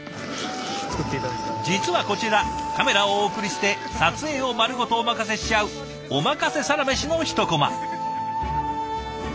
実はこちらカメラをお送りして撮影を丸ごとお任せしちゃう「おまかせサラメシ」の１コマ。